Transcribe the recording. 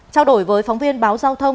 trao đổi với phóng viên báo giao thông